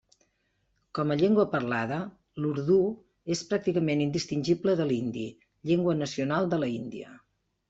Com a llengua parlada, l'urdú és pràcticament indistingible de l'hindi, llengua nacional de l'Índia.